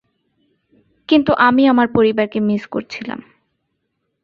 কিন্তু আমি আমার পরিবারকে মিস করছিলাম।